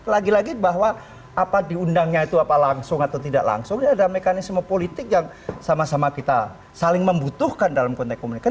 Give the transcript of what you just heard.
lagi lagi bahwa apa diundangnya itu apa langsung atau tidak langsung ini ada mekanisme politik yang sama sama kita saling membutuhkan dalam konteks komunikasi